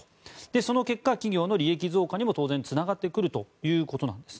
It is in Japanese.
その結果、企業の利益増加にも当然つながってくるということです。